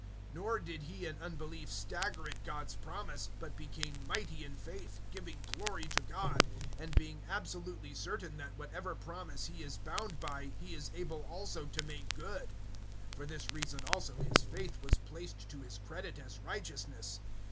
004:020 Nor did he in unbelief stagger at God's promise, but became mighty in faith, giving glory to God, 004:021 and being absolutely certain that whatever promise He is bound by He is able also to make good. 004:022 For this reason also his faith was placed to his credit as righteousness.